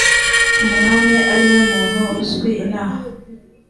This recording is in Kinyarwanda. umwami ari we muntu uzwi inaha